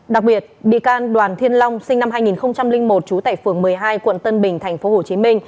đặc biệt bị can đoàn thiên long sinh năm hai nghìn một trú tại phường một mươi hai quận tân bình tp hcm